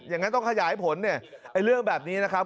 อย่างนั้นต้องขยายผลเนี่ยไอ้เรื่องแบบนี้นะครับ